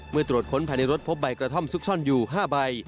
ตรวจค้นภายในรถพบใบกระท่อมซุกซ่อนอยู่๕ใบ